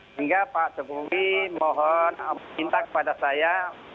sehingga pak jokowi mohon minta kepada saya